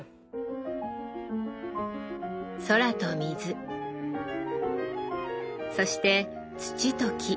空と水そして土と木。